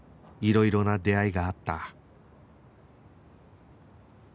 いろいろな出会いがあった